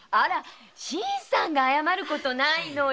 新さんが謝ることないのよ。